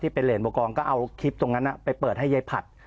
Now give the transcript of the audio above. เป็นเหรนบัวกองก็เอาคลิปตรงนั้นไปเปิดให้ยายผัด